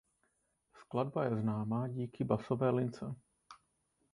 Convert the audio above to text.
Skladba je známá díky basové lince.